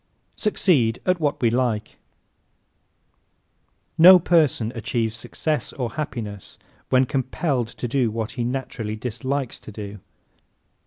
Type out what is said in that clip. Succeed at What We Like ¶ No person achieves success or happiness when compelled to do what he naturally dislikes to do.